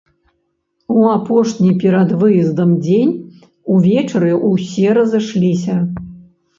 У апошні перад выездам дзень увечары ўсе разышліся.